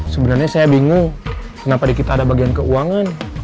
sebenarnya saya bingung kenapa di kita ada bagian keuangan